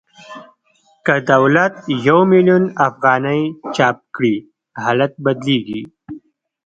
که دولت یو میلیون افغانۍ چاپ کړي حالت بدلېږي